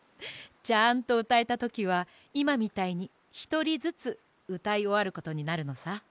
ちゃんとうたえたときはいまみたいにひとりずつうたいおわることになるのさ。